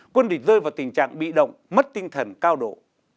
quân địch rơi vào tình trạng bị động mất tinh thần cao độ